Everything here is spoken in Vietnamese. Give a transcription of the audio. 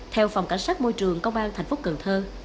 theo phòng cảnh sát môi trường công an thành phố cần thơ